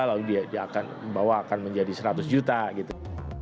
lalu dia akan bawa akan menjadi seratus juta gitu